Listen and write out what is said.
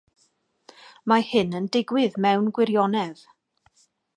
Mae hyn yn digwydd mewn gwirionedd.